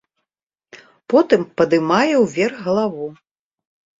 Потым падымае ўверх галаву.